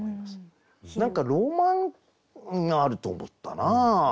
何かロマンがあると思ったな。